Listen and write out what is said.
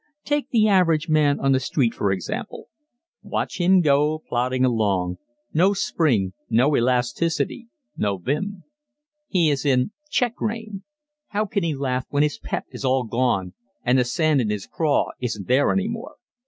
Take the average man on the street for example. Watch him go plodding along no spring, no elasticity, no vim. He is in check rein how can he laugh when his pep is all gone and the sand in his craw isn't there any more?